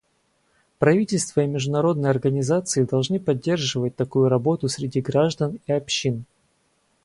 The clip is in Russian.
Правительства и международные организации должны поддерживать такую работу среди граждан и общин.